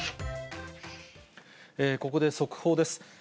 ここで速報です。